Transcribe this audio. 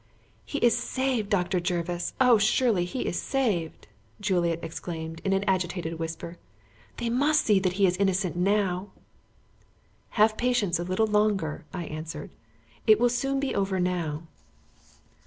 "He is saved, Dr. Jervis! Oh! surely he is saved!" Juliet exclaimed in an agitated whisper. "They must see that he is innocent now." "Have patience a little longer," I answered. "It will soon be over now."